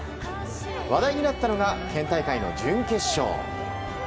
話題になったのが県大会の準決勝。